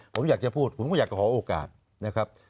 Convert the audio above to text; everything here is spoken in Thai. ผมอยากจะพูดผมก็อยากจะขอโอกาสนะครับ